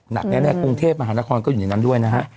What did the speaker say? หนักแน่กรุงเทพมหานครก็อยู่ในนั้นด้วยนะฮะ